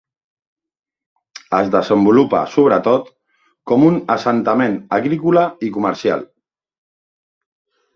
Es desenvolupà sobretot com un assentament agrícola i comercial.